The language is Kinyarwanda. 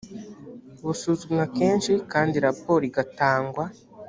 busuzumwa kenshi kandi raporo igatangwa